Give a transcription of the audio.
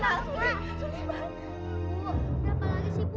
kak kak suli bangun kak